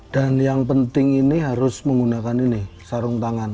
dan yang penting ini harus menggunakan ini sarung tangan